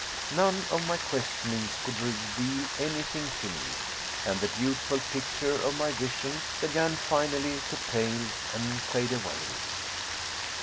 None of my questionings could re veal anything to me, and the beautiful picture of my vision began finally to pale and fade away.